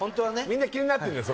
みんな気になってんだ